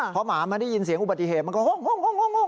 เพราะหมาดินเสียงอุบัติเหตุมันก็โฮ่งโฮ่งโฮ่ง